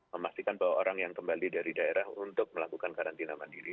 memastikan bahwa orang yang kembali dari daerah untuk melakukan karantina mandiri